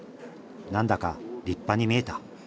何だか立派に見えた。